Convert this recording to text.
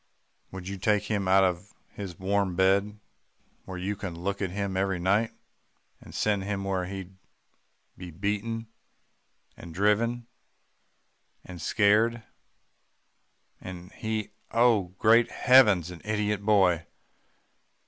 Would you take him out of his warm bed, where you can look at him every night, and send him where he'd be beaten, and driven and scared and he oh! great heavens an idiot boy.